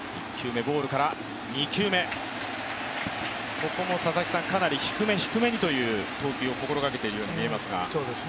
ここもかなり低め、低めにという投球を心がけているように見えますが。